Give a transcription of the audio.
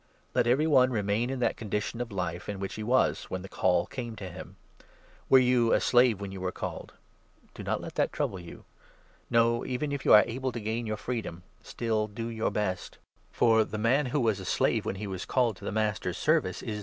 Let every one 2C remain in that condition of life in which he was when the Call came to him. Were you a slave when you were called ? 21 Do not let that trouble you. No, even if you are able to gain your freedom, still do your best. For the man who was a 22 I. CORINTHIANS, 7. 817 slave when he was called to the Master's service is.